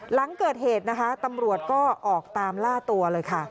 หลังเกิดเหตุนะคะตำรวจก็ออกตามล่าตัวเลยค่ะ